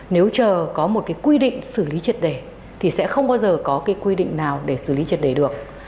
nếu chờ có một cái quy định xử lý triệt đề thì sẽ không bao giờ có cái quy định nào để xử lý triệt đề được